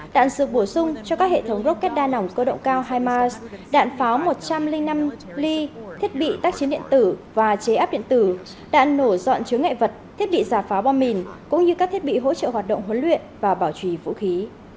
đạn dược bổ sung cho các hệ thống rocket đa nòng cơ động cao himas đạn pháo một trăm linh năm ly thiết bị tác chiến điện tử và chế áp điện tử đạn nổ dọn chứa nghệ vật thiết bị giả pháo bom mìn cũng như các thiết bị hỗ trợ hoạt động huấn luyện và bảo trì vũ khí